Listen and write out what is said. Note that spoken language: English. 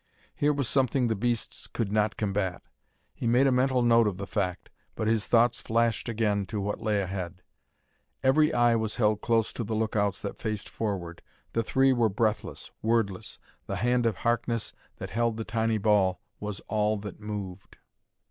Here was something the beasts could not combat. He made a mental note of the fact, but his thoughts flashed again to what lay ahead. Every eye was held close to the lookouts that faced forward. The three were breathless, wordless; the hand of Harkness that held the tiny ball was all that moved.